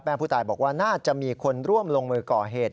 ผู้ตายบอกว่าน่าจะมีคนร่วมลงมือก่อเหตุ